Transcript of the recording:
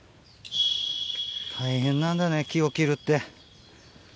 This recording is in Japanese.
大変なんだね木を切るって。